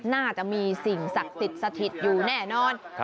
น่าจะมีสิ่งศักดิ์สิทธิ์สถิตอยู่แน่นอน